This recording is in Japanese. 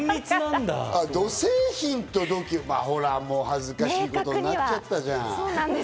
土製品と土器、ほらもう恥ずかしいことになっちゃったじゃん！